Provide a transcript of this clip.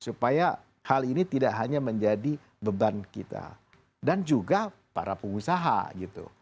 supaya hal ini tidak hanya menjadi beban kita dan juga para pengusaha gitu